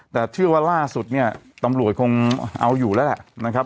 แต่เชื่อว่าล่าสุดเนี่ยตำรวจคงเอาอยู่แล้วแหละนะครับ